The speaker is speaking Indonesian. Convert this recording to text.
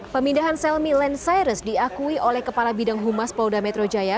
pemindahan sel milen cyrus diakui oleh kepala bidang humas pouda metro jaya